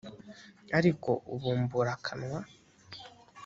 ariko ubumbura akanwa